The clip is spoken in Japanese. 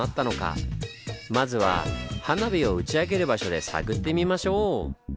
まずは花火を打ち上げる場所で探ってみましょう！